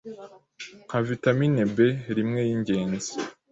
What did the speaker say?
nka vitamin B rimwe y’ingenzi